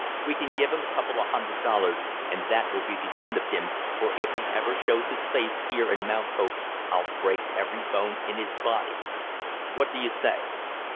We can give him a couple of hundred dollars and that will be the end of him, for if he ever shows his face here in Mount Hope, I'll break every bone in his body. What do you say?"